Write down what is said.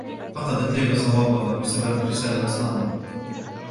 فقدت ليلى صوابها بسبب رسالة سامي.